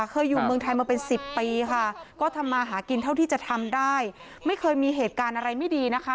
เคยอยู่เมืองไทยมาเป็นสิบปีค่ะก็ทำมาหากินเท่าที่จะทำได้ไม่เคยมีเหตุการณ์อะไรไม่ดีนะคะ